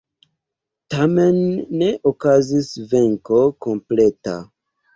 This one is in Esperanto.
Tamen ne okazis venko kompleta.